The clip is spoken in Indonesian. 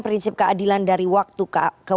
prinsip keadilan dari waktu ke